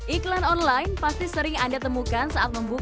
iklan online pasti sering anda temukan saat membuka